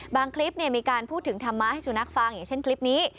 คลิปมีการพูดถึงธรรมะให้สุนัขฟังอย่างเช่นคลิปนี้